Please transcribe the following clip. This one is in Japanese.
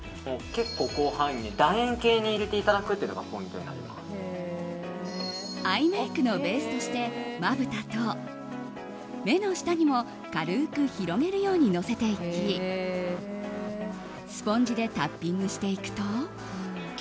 結構、広範囲に楕円形に入れていただくのがアイメイクのベースとしてまぶたと目の下にも軽く広げるようにのせていきスポンジでタッピングしていくと。